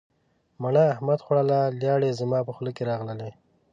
مڼه احمد خوړله لیاړې زما په خوله کې راغللې.